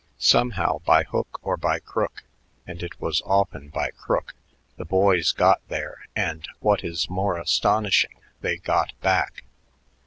Somehow, by hook or by crook and it was often by crook the boys got there, and, what is more astonishing, they got back.